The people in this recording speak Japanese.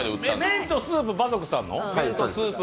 麺とスープ、馬賊さんの？